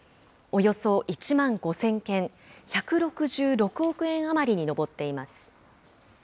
およそ１万５０００件、１６６億円余りに上っています。